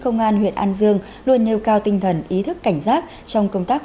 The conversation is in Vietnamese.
công an huyện an dương luôn nêu cao tinh thần ý thức cảnh giác trong công tác